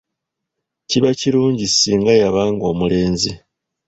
Kiba kirungi singa yabanga omulenzi.